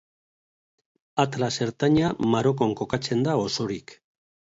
Atlas Ertaina Marokon kokatzen da osorik.